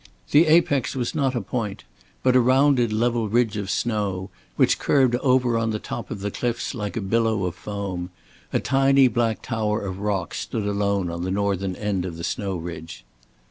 The apex was not a point but a rounded level ridge of snow which curved over on the top of the cliffs like a billow of foam. A tiny black tower of rock stood alone on the northern end of the snow ridge.